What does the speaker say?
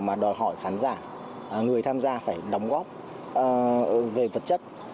mà đòi hỏi khán giả người tham gia phải đóng góp về vật chất